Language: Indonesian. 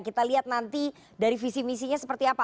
kita lihat nanti dari visi misinya seperti apa